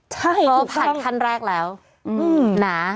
ใช่ถูกต้องเพราะผ่านขั้นแรกแล้วหนา